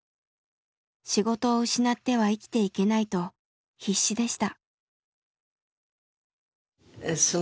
仕事を失っては生きていけないと必死でした。